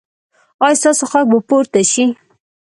ایا ستاسو غږ به پورته شي؟